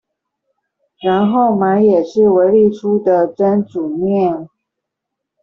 然後買也是維力出的蒸煮麵